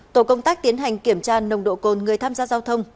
tổ công tác tiến hành kiểm tra nồng độ cồn người tham gia giao thông